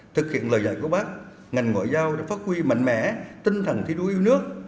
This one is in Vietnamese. thực hiện lời dạy của bác ngành ngoại giao đã phát huy mạnh mẽ tinh thần thi đua yêu nước